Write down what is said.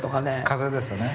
「風」ですね。